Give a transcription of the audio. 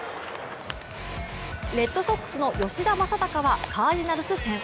レッドソックスの吉田正尚はカージナルス戦。